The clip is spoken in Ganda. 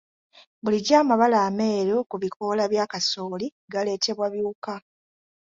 Bulijjo amabala ameeru ku bikoola bya kasooli galeetebwa biwuka.